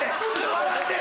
笑ってる。